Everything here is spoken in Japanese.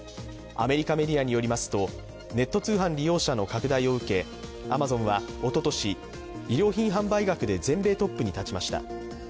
アメリカメディアによりますとネット通販利用者の拡大を受けアマゾンはおととし、医療品販売額で全米トップに立ちました。